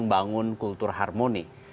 membangun kultur harmoni